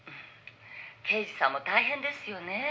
「刑事さんも大変ですよね」